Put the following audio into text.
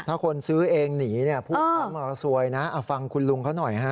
ถ้าคนซื้อเองหนีเนี่ยพูดคำว่าซวยนะเอาฟังคุณลุงเขาหน่อยฮะ